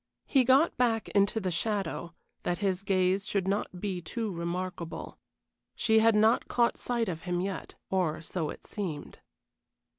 He got back into the shadow, that his gaze should not be too remarkable. She had not caught sight of him yet, or so it seemed.